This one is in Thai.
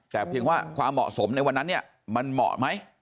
แต่เพียงว่าความเหมาะสมในวันนั้นเนี่ยมันเหมาะไหม